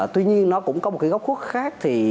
tuy nhiên nó cũng có một góc khuất khác